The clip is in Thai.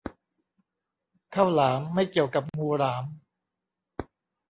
ข้าวหลาม ไม่เกี่ยวกับงูหลาม